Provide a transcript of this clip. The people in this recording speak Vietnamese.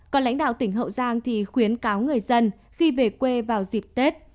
còn lãnh đạo tỉnh hậu giang thì khuyến cáo người dân khi về quê vào dịp tết